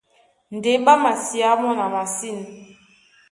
Ndé ɓá masiá mɔ́ na masîn.